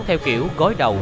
theo kiểu gối đầu